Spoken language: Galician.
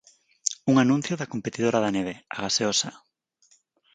Un anuncio da competidora da neve, a gaseosa.